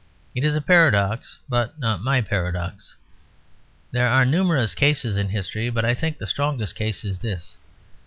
It is a paradox; but not my paradox. There are numerous cases in history; but I think the strongest case is this.